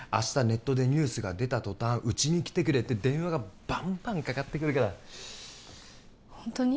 ネットでニュースが出た途端うちに来てくれって電話がバンバンかかってくるからホントに？